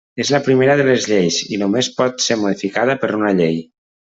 És la primera de les lleis, i només pot ser modificada per una llei.